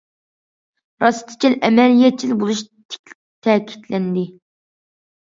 راستچىل، ئەمەلىيەتچىل بولۇش تەكىتلەندى.